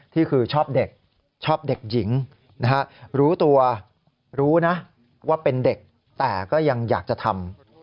ที่คือชอบเด็กชอบเด็กหญิงนะฮะรู้ตัวรู้นะว่าเป็นเด็กแต่ก็ยังอยากจะทำ